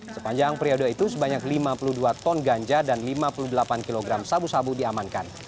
sepanjang periode itu sebanyak lima puluh dua ton ganja dan lima puluh delapan kg sabu sabu diamankan